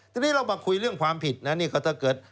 ทีนี้เรามาคุยเรื่องความผิดนะนี่ก็ถ้าเกิด